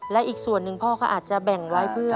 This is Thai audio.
และอีกส่วนหนึ่งพ่อก็อาจจะแบ่งไว้เพื่อ